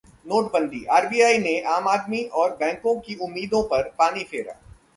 नोटबंदी: आरबीआई ने आम आदमी और बैंकों की उम्मीदों पर पानी फेरा